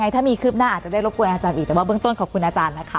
แต่ว่าค่ะเลยขอบคุณอาจารย์นะคะ